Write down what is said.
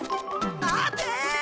待て！